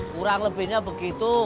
kurang lebihnya begitu